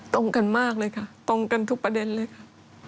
ตรงกันมากเลยค่ะตรงกันทุกประเด็นเลยค่ะ